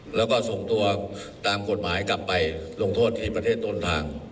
แล้วก็ส่งตัวตามกฎหมายกลับไปลงโทษที่ประเทศต้นทาง